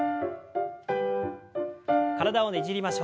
体をねじりましょう。